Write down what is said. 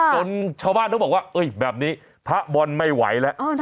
ชาวบ้านเขาบอกว่าแบบนี้พระบอลไม่ไหวแล้ว